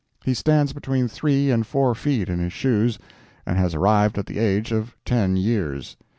He stands between three and four feet in his shoes, and has arrived at the age of ten years.